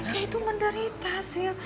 dia tuh menderita sil